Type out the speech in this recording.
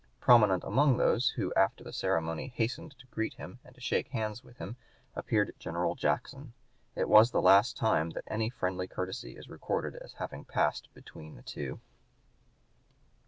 Prominent among those who after the ceremony hastened to greet him and to shake hands with him appeared General Jackson. It was the last time that any friendly courtesy is recorded as having passed between the two.